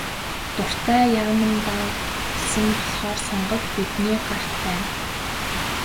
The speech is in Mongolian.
Дуртай яамандаа гэсэн болохоор сонголт бидний гарт байна.